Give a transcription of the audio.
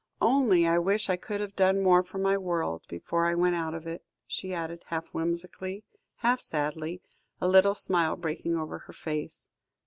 Only I wish I could have done more for my world, before I went out of it," she added half whimsically, half sadly, a little smile breaking over her face.